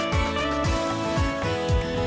โปรดติดตามตอนต่อไป